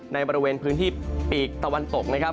ในบริเวณพื้นที่ปีกตะวันตกนะครับ